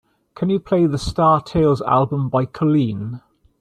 Can you play the Star Tales album by Colleen?